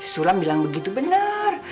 sulam bilang begitu bener